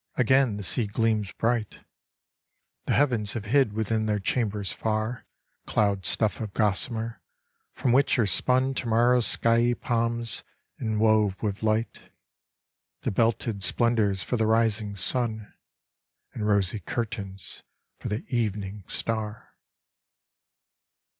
Again the sea gleams bright; The heavens have hid within their chambers far Cloud stuff of gossamer, from which are spun To morrow's skyey pomps inwove with light, The belted splendors for the rising sun, And rosy curtains for the evening star.